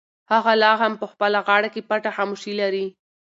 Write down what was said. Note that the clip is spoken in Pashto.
هغه لا هم په خپله غاړه کې پټه خاموشي لري.